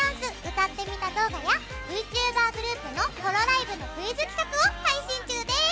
歌ってみた動画やＶＴｕｂｅｒグループのホロライブのクイズ企画を配信中です。